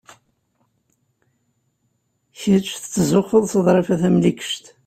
Kecc tettzuxxuḍ s Ḍrifa Tamlikect.